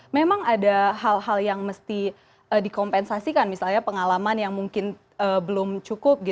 memang ada hal hal yang mesti dikompensasikan misalnya pengalaman yang mungkin belum cukup